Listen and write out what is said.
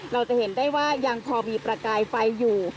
เราจะเห็นได้ว่ายังพอมีประกายไฟอยู่